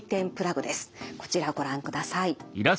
こちらご覧ください。